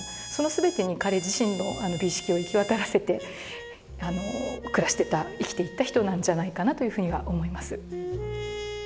その全てに彼自身の美意識を行き渡らせて生きていった人なんじゃないかなというふうには思います。